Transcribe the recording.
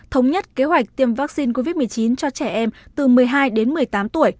thống nhất kế hoạch tiêm vaccine covid một mươi chín cho trẻ em từ một mươi hai đến một mươi tám tuổi